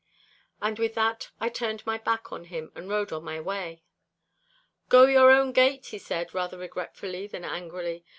And with that I turned my back on him, and rode on my way. 'Go your own gate,' he said, rather regretfully than angrily.